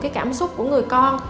cái cảm xúc của người con